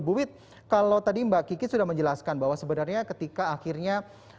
bu wit kalau tadi mbak kiki sudah menjelaskan bahwa sebenarnya ketika akhirnya